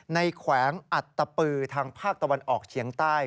แขวงอัตตปือทางภาคตะวันออกเฉียงใต้